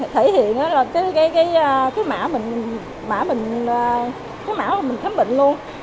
thể hiện cái mã mình khám bệnh luôn